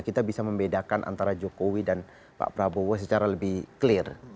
kita bisa membedakan antara jokowi dan pak prabowo secara lebih clear